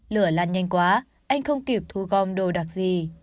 lửa lan nhanh quá anh không kịp thu gom đồ đạc gì